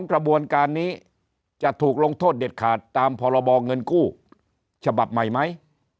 กระบวนการนี้จะถูกลงโทษเด็ดขาดตามพรบเงินกู้ฉบับใหม่ไหม